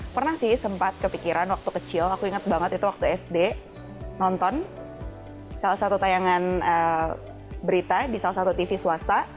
pernah sih sempat kepikiran waktu kecil aku ingat banget itu waktu sd nonton salah satu tayangan berita di salah satu tv swasta